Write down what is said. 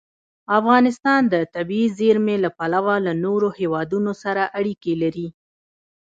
افغانستان د طبیعي زیرمې له پلوه له نورو هېوادونو سره اړیکې لري.